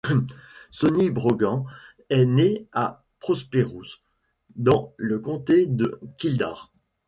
Sonny Brogan est né à Prosperous, dans le comté de Kildare.